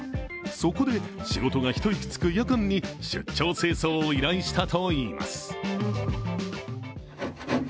そこで仕事が一息つく夜間に出張清掃を依頼したといいます。